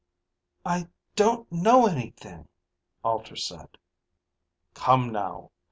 "I don't know anything," Alter said. "Come now.